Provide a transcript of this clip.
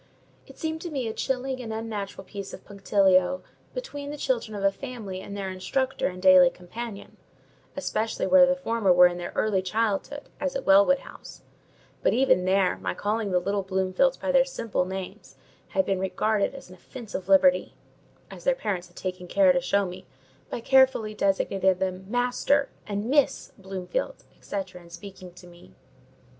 It seemed to me a chilling and unnatural piece of punctilio between the children of a family and their instructor and daily companion; especially where the former were in their early childhood, as at Wellwood House; but even there, my calling the little Bloomfields by their simple names had been regarded as an offensive liberty: as their parents had taken care to show me, by carefully designating them Master and Miss Bloomfield, &c., in speaking to me.